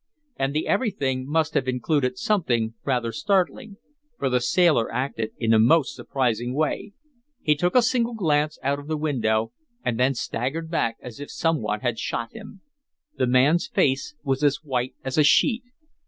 And the everything must have included something rather startling. For the sailor acted in a most surprising way. He took a single glance out of the window; and then he staggered back as if some one had shot him. The man's face was as white as a sheet.